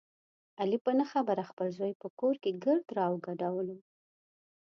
علي په نه خبره خپل زوی په کور کې ګرد را وګډولو.